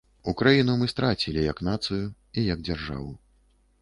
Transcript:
Украіну мы страцілі як нацыю і як дзяржаву.